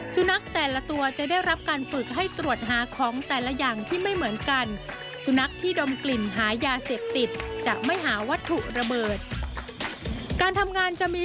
สุนัขแต่ละตัวจะได้รับการฝึกให้ตรวจหาของแต่ละอย่างที่ไม่เหมือนกัน